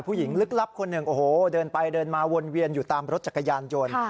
ลึกลับคนหนึ่งโอ้โหเดินไปเดินมาวนเวียนอยู่ตามรถจักรยานยนต์